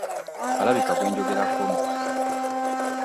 Olabika gwe njogerako omumanyi.